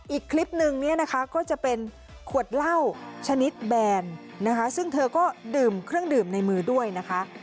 อีกคลิปนึงเนี่ยนะคะก็จะเป็นขวดเหล้าชนิดแบนนะคะซึ่งเธอก็ดื่มเครื่องดื่มในมือด้วยนะคะ